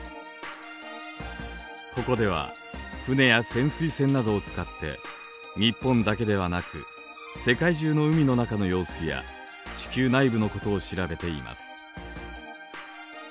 ここでは船や潜水船などを使って日本だけではなく世界中の海の中の様子や地球内部のことを調べています。